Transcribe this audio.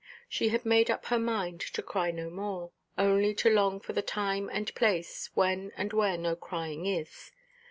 She had made up her mind to cry no more, only to long for the time and place when and where no crying is.